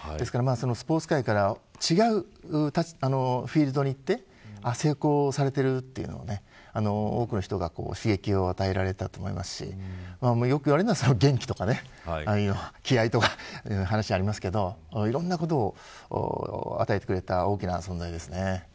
スポーツ界から違うフィールドに行って成功されてるというのを多くの人が刺激を与えられたと思いますしよく言われるのは、元気とか気合とかの話がありますけどいろんなことを与えてくれた大きな存在ですね。